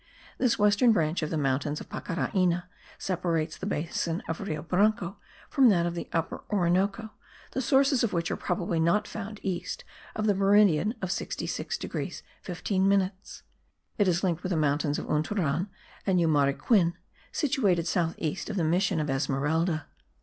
This western branch of the mountains of Pacaraina separates the basin of Rio Branco from that of the Upper Orinoco, the sources of which are probably not found east of the meridian of 66 15 minutes: it is linked with the mountains of Unturan and Yumariquin, situated south east of the mission of Esmeralda.